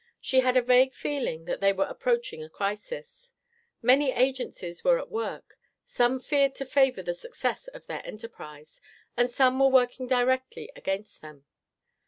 She had a vague feeling that they were approaching a crisis. Many agencies were at work. Some appeared to favor the success of their enterprise, and some were working directly against them.